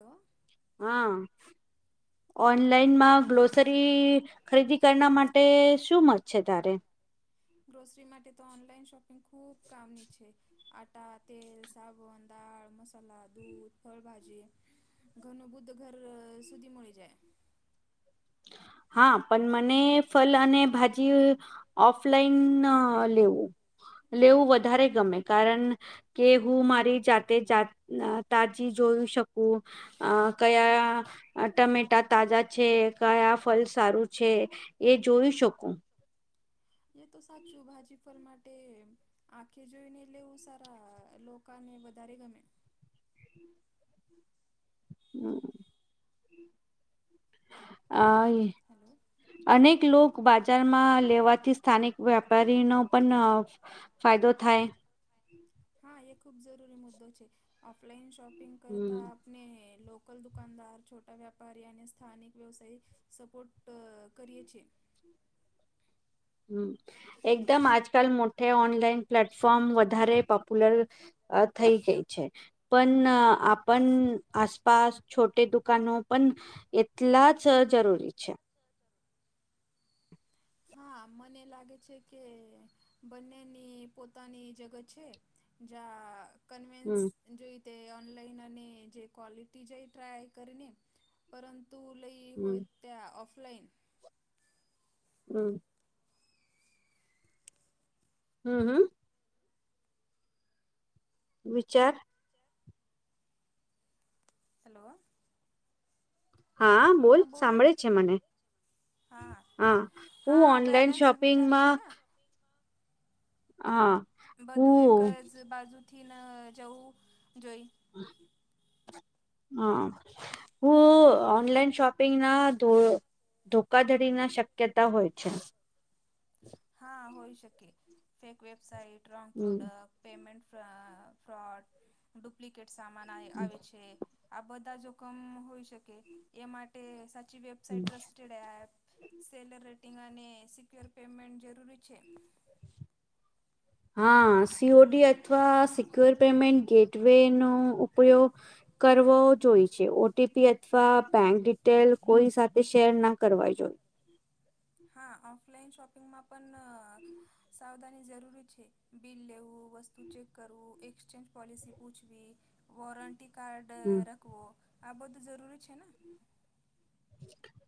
Hello. હા હા બોલો ને ઓનલાઈનમાં ગ્લો ફરી ખરીદી કરના માટે શું મત છે તારે? ગ્રોસરી માટે તો ઓનલાઈન શોપિંગ ખૂબ કામની છે. આટા, તેલ, સાબુન, દાળ, મસાલા, દૂધ, ફળભાજી ઘરનું બુદ્ધ ઘર સુધી મળી જાય. હા, પણ મને ફલ અને ભાજી. ઓફલાઈન લેવું લેવું વધારે ગમે, કારણ કે, હું મારી જાતે તાજી જોઈ શકું. અ કયા ટમેટા તાજા છે. કયા ફલ સારું છે, એ જોઈ શકું. એ તો સાચું, ભાજી-ફળ માટે. આખે જોઈને, એટલે સારા લોકોને વધારે ગમે. હમ. આઈ. હલો. અનેક લોક બજારમાં લેવાથી, સ્થાનિક વેપારીનો પણ ફાયદો થાય. હા, એ ખૂબ જરૂરી મુદ્દો છે, ઓફલાઈન શોપિંગ હમ કરતાં ને લોકલ દુકાનદાર, છોટા વ્યાપારી અને સ્થાનિક વ્યવસાય. સપોર્ટ કરીએ છે. હમ, એકદમ આજકાલ મોટેે ઓનલાઈન પ્લેટફોર્મ વધારે પોપ્યુલર અ થઈ ગઈ છે. પણ આપણ આસપાસ છોટે દુકાનો પણ એટલા જ જરૂરી છે. હા, મને લાગે છે કે, બંનેની પોતાની જગત છે. જ કનવિન્સ. હમ જોઈ તે ઓનલાઈન અને જે ક્વોલિટી જાય, ટ્રાય કરીને, પરંતુ લઈ. કે હમ હોય, ત્યા ઓફલાઈન. હમ. હમ, હમ. વિચાર. હલો. હા, બોલ બોલો ને સાંભળે છે મને. હા, હું હા ઓનલાઈન બેલેન્સ્ડ વિચાર છે શોપિંગમાં. ને હા. બધું એક હું જ બાજુથી ન જવું જોઈ. હા. હ, ઓનલાઈન શોપિંગ ના ધો ધોકાધડી ના શક્યતા હોય છે. હા, હોઈ શકે, ફેક, વેબસાઇટ, રોંગ હમ પ્રોડક્ટ. પેમેન્ટ ફ્રોડ ડુપ્લિકેટ સામાન આઈ આવે છે. આ બધા જોખમ હોઈ શકે, એ માટે સાચી હમ વેબસાાઈટ ટ્રસ્ટ ડપ સેલર રેટિંગ અને સિક્યોર પેમેન્ટ જરૂરી છે. [unintelligible] હા, સીઓડી અથવા સિક્યોર પેમેન્ટ ગેટવેેનો ઉપયોગ. કરવો જોઈ છે, ઓ ટપી અથવા બેંક ડિટેલ કોઈ સાથે શેર ના કરવા જોઈએ. હા, ઓફલાઈન શોપિંગમાં પણ સાવધાની જરૂરી છે. બિલ લેવું, વસ્તુ ચેક કરવું, એક્સચેન્જ પોલિસી પૂછવી, વોરંટી કાર્ડ હમ. રાખવો, આ બધું જરૂરી છે ને.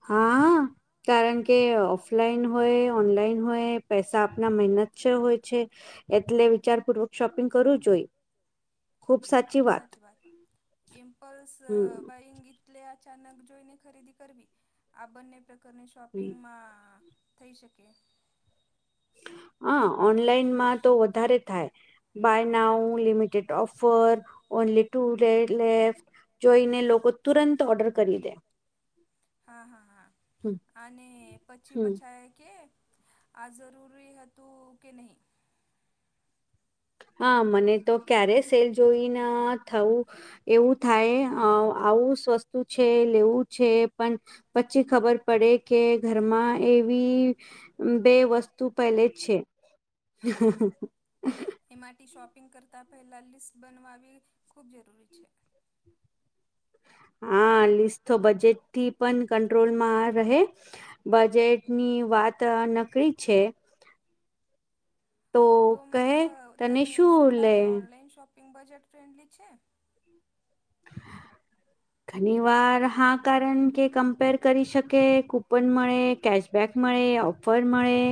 હા. કારણ કે ઓફલાઈન હોય, ઓનલાઈન હોય, પૈસા આપણા મહેનત છે, હોય છે. એટલે વિચારપૂર્વક શોપિંગ કરવું જોઈ. હા, ખુબ સાચી વાત. ઇમ્પલ્સ હમ બાઈંગી એટલે અચાનક જોઈને, ખરીદી કરવી આ બંને પ્રકારની શોપિંગમાં. થઈ શકે. હ ઓનલાઈનમાં તો વધારે થાય. Buy now limited offer only two દયા લિફ્ટ જોઈને લોકો તુરંત ઓર્ડર કરી દે હા હા હા હમ અને પછી હમ પછા કે આ જરૂરી હતું કે નહીં. હા મને તો ક્યારે સેલ જોઈને થવું. એવું થાય આવું વસ્તુ છે લેવું છે પણ પછી ખબર પડે કે ઘરમાં એવી બે વસ્તુ પહેલે જ છે. એ માટે શોપિંગ કરતાં પહેલાં લિસ્ટ બનવાવી ખૂબ જરૂરી છે. હા લીસ તો બજેટ થી પણ કટ્રોલ માં રહે. બજેટ ની વાત નકળી છે. તો મં ક તને શું લાગે ઓનલાઈન શોપિંગ બજેટ ફ્રેન્ડલી છે. [inaudible] ઘણી વાર હા કારણ કે કમ્પેર કરી શકે કૂપન મળે કેશ બેક મળે ઓફર મળે.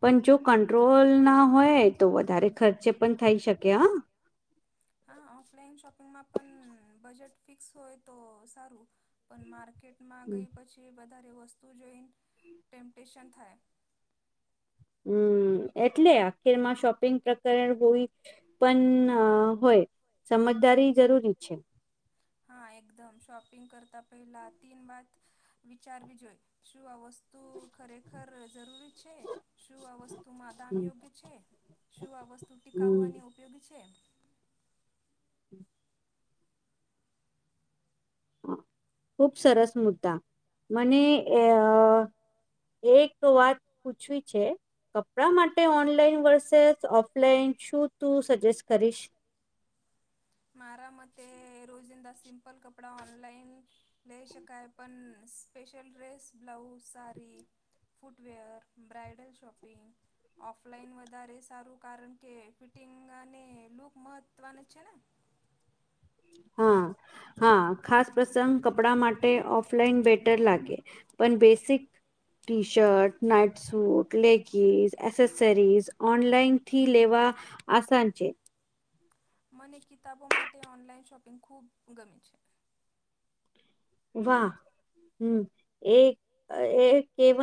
પણ જો કંટ્રોલ ના હોય તો વધારે ખર્ચે પણ થઈ શકે હ. હા ઓફલાઈન શોપિંગમાં પણ બજેટ ફિક્સ હોય તો સારું પણ મા માર્કેટમાં ગઈ પછી વધારે વસ્તુ જોઈને ટેમ્પ્ટેશન થાય. હમ એટલે આખીરમાં શોપિંગ પ્રકરણ હોઈ. પણ હોય સમજદારી જરૂરી છે. હા એકદમ શોપિંગ કરતા પહેલા તીન વાત વિચારવી જોઈએ શું અવસ્. વસ્તુ ખરેખર જરૂરી છે શું આ વસ્તુમાં દામ હમ યોગ્ય છે. શું આ વસ્તુ ટીકાવવા અને ઉપયોગી છે. હ [inaudible] ખુબ સરસ મુદ્દા મને અ એક વાત પૂછવી છે. કપડા માટે ઓનલાઈન વર્સેસ ઓફલાઈન શું તું સજેસ્ટ કરીશ. મારા મતે રોજિંદા સિમ્પલ કપડા ઓનલાઈન લઈ શકાય પણ special dress blouse sari footwear bridal shopping offline વધારે સારું કારણ કે ફિટિંગ અને લૂક મહત્ત્વનું જ છે ને. હા હા ખાસ પ્રસંગ કપડા માટે. ઓલાઈન બેટર લાગે પણ basic T shirt night suit leggings accessories ઓનલાઈનથી લેવા આસાન છે. મને કિતાબો માટે ઓનલાઈન શોપિંગ ખૂબ ગમે છે. વા હમ એકવ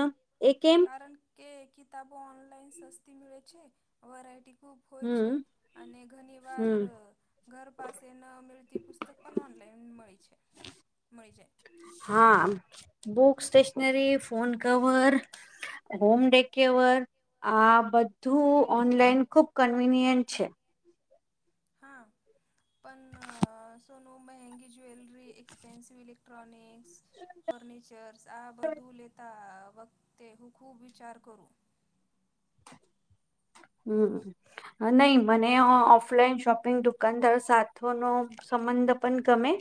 એક કારણ કે કિતાબો ઓનલાઈન સસ્તી મેે છે વરાયટી ખૂબ હોય હમ છે અને ઘણી વાર હમ ઘર પાસે ન મેળતી પુસ્તક પણ ઓનલાઈન મળી છે મળી જાય. હા book stationery phone cover home decor. આ બધું ઓનલાઈન ખુબ કન્વીિનિયન્ટ છે. હા પણ સો ન મંંગી જ્વેલરી એક્સપેન્સિવ લેક્ટ્રોનિકસ ફર્નિચર્સ આ બધું લેતા વખતે હું ખૂબ વિચાર કરું. હમ નહી મને ઓફલાઈન શોપિંગ દુકાનદાર સાથોનો સંબંધ પણ ગમે.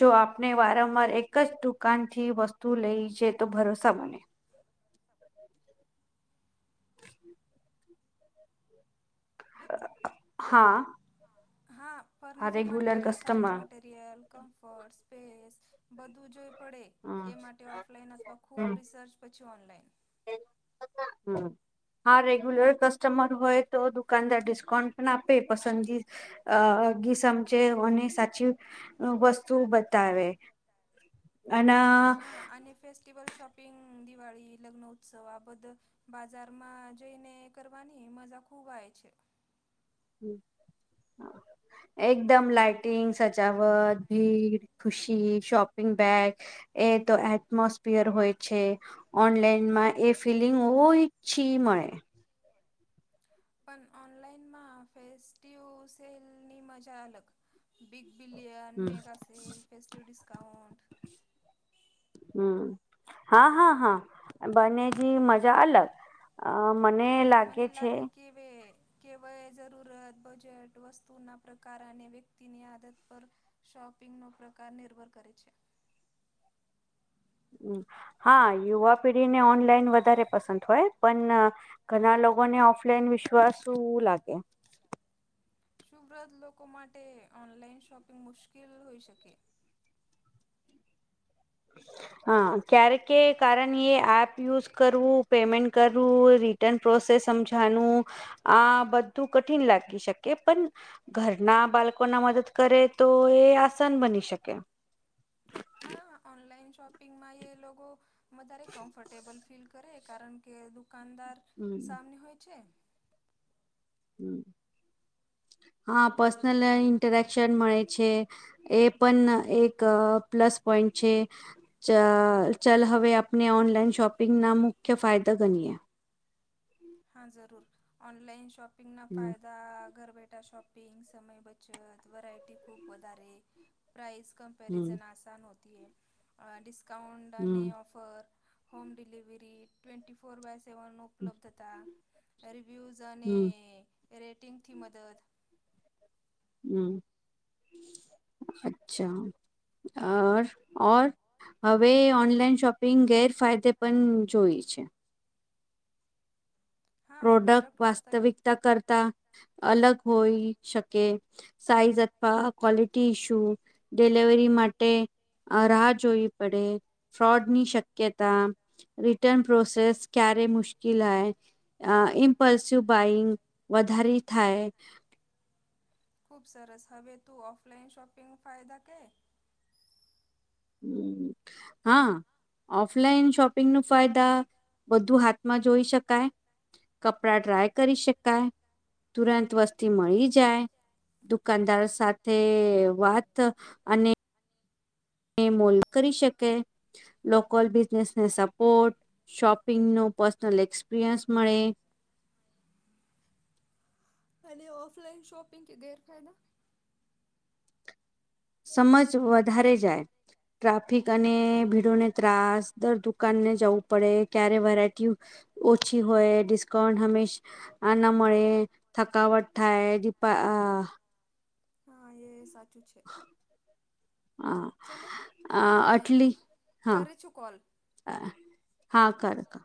જો આપણે વારંવાર એક જ દુકાન થી વસ્તુ લઈ છે, તો ભરોસા બને. હ. હા. હા, હા ફર્નિચર માટે રેગ્યુલર તો સાઈઝ કસ્ટમર માટે. મફર્ટ સ્પેસ બધું જો પડે, હમ એ માટે ઓફલાઈન અથવા હમ ખૂબ રિસર્ચ પછી ઓનલાઈન હા, રેગ્યુલર કસ્ટમર હોય તો દુક કાનદાર ડિસ્કાઉન્ટ પણ આપે, પસંદગી અહ ગી સમજે, ઓને સાચી વસ્તુ બતાવે. અના હા, અને ફેસ્ટીવલ, શોપિંગ, દિવાળી, લગ્ન ઉત્સવ આ બધ બાજારમાં જઈને કરવાની મજા ખુબ આયે છે. હમ્મ, હા, એકદમ, લાઇટિંગ, સજાવટ, ભીડ ખુશી, શોપિંગ બેગ એ તો એટમોસફિયર હોય છે. ઓનલાઈનમાં એ ફિલિંગ ઓછી મળે. પન ઓનલાઈનમાં આ ફેસ્ટિવ સેલની મજા અલગ. બિગ બિલિયન, હમ મેગાસેલ, ફેસ્ટિવ ડિસ્કાઉન્ટ હમ્મ. હા, હા, હા. બંને ની મજા અલગ. અહીં મને લાગે છે. બે કેવાય જરૂરત બજેટ વસ્તુ ના પ્રકાર અને વ્યક્તિની આદત પર શોપિંગનો પ્રકાર નિર્ભર કરે છે. હમ્મ, હા, યુવા પેઢીને ઓનલાઈન વધારે પસંદ હોય. પણ ઘણા લોકોને ઓફલાઈન વિશ્વાસું લાગે. શુવ્રત લોકો માટે ઓનલાઇન શોપિંગ મુશ્કેલ હોઈ શકે. હા. ક્યારે કે કારણ ઈ એ આપ યુઝ કરવું, પેમેન્ટ કરવું, રિટર્ન પ્રોસેસ સમજાનું. આ બધું કઠિન લાગી શકે, પણ ઘરના બાલકો ના મદદ કરે, તો એ આસાન બની શકે. હા, ઓનલાઈન શોપિંગ માં એ લોગો વધારે કમ્ફર્ટેબલ ફીલ કરે, કારણ કે દુકાનદાર હમ સામને હોય છે. હમ્મ, હા, પર્સનલ ઇન્ટરેક્શન મળે છે. એ પણ એક પ્લસ પોઈન્ટ છે. ચ ચલ, હવે આપને ઓનલાઈન શોપિંગના મુખ્ય ફાયદા ગનીએ. હા, જરૂર. ઓનલાઈન શોપિંગના હમ ફાયદા ઘર બેઠા શોપ પિંગ, સમય બચત, વરાયટી ખૂબ વધારે, પ્રાઈઝ કમ હમ કમ્પેરિઝન. અહીં ડિસ્કાઉન્ટ અને હમ offer. Home delivery, twenty four by seven ઉપલબ્ધતા રિવ્યુઝ. ઝને હમ રેટિંગથી મદદ હમ્મ, અચ્છા, અહ અર ઔર? હવે ઓનલાઈન શોપિંગ ગેરફાયદે પણ જોઈ છે. હા પ્રોડક્ટ વાસ્તવિક વાસ્તવિકતા કરતા અલગ હોઈ શકે. સાઈઝ અથવા ક્વોલિટી ઇશુ, ડિલીવરી માટે અહીં રાહ જોવી પડે, ફ્રોડની શક્યતા. રિટર્ન પ્રોસેસ, ક્યારે મુશ્કિલાઈ. અહીં ઇમ્પલ્સિવ બાઈંગ, વધારી થાય. ખૂબ સરસ. હવે તું ઓફલાઈન શોપિંગ ફાયદા કહે? હમ્મ, હા. ઓફલાઈન શોપિંગ નું ફાયદા, બધું હાથમાં જોઈ શકાય. કપડા ટ્રાય કરી શકાય તુરંત વસ્તી મળી જાય દુકાનદારો સાથે વાત અને ને મોલ કરી શકે. લોકલ બિઝનેસને સપોર્ટ શોપિંગ નું પર્સનલ એક્સપિરિયન્સ મળે. ખાલી ઓફલાઇન શોપિંગ કે ગેર ફાયદા સમજ વધારે જાય. ટ્રાફિક અને ભીડોને ત્રાસ દર દુકાનને જવું પડે ક્યારે વેરાયટી ઓછી હોય ડિસ્કાઉન્ટ હંમેશ આનામ મળે થકાવટ થાય દીપા આ હા એ સાચું છે. હા ચલો આ અ અટલી હા કરે છું કોલ હ હા કર કર